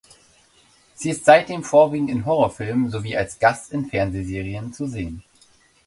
Sie ist seitdem vorwiegend in Horrorfilmen sowie als Gast in Fernsehserien zu sehen.